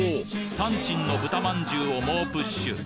山珍の豚まんじゅうを猛プッシュ！